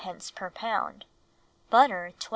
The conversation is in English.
per pound, butter 12d.